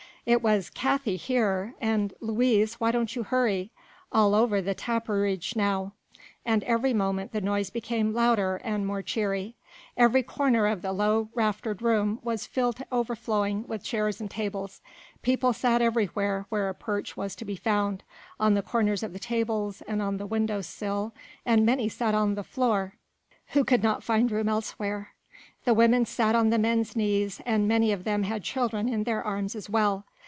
It was "Käthi here!" and "Luise, why don't you hurry?" all over the tapperij now; and every moment the noise became louder and more cheery. Every corner of the low, raftered room was filled to over flowing with chairs and tables. People sat everywhere where a perch was to be found on the corners of the tables and on the window sill and many sat on the floor who could not find room elsewhere. The women sat on the men's knees, and many of them had children in their arms as well.